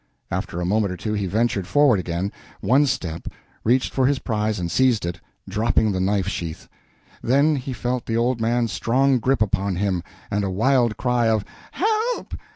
After a moment or two he ventured forward again one step reached for his prize and seized it, dropping the knife sheath. Then he felt the old man's strong grip upon him, and a wild cry of "Help!